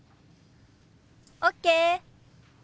ＯＫ！